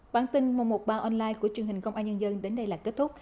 bản tin một trăm một mươi ba online của truyền hình công an nhân dân đến đây là kết thúc